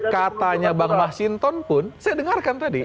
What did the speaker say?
katanya bang mas hinton pun saya dengarkan tadi